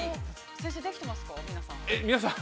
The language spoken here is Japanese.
◆先生、できてますか、皆さん。